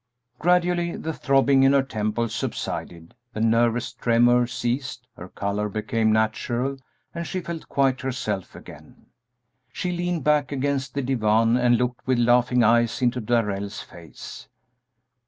Gradually the throbbing in her temples subsided, the nervous tremor ceased, her color became natural, and she felt quite herself again. She leaned back against the divan and looked with laughing eyes into Darrell's face.